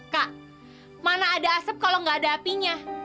kak mana ada asap kalau nggak ada apinya